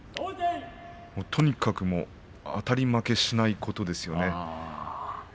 とにかくあたり負けしないことです。